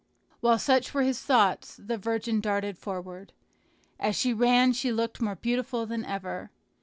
While such were his thoughts, the virgin darted forward. As she ran she looked more beautiful than ever.